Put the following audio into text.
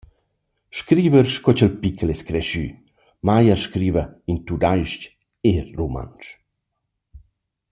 Scriver sco cha’l pical es creschü Meyer scriva in tudais-ch e rumantsch.